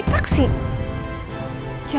tidak ada apa apa